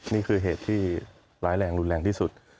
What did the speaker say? นี่คือเหตุที่ร้ายแรงรุนแรงที่สุด